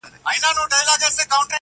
هڅه انسان فعال ساتي.